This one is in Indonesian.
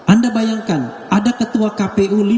anda bayangkan ada ketua kpu